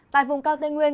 tại vùng cao tây nguyên